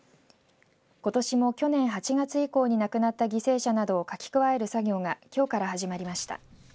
ことしも去年８月以降に亡くなった犠牲者などを書き加える作業がきょうから始まりました。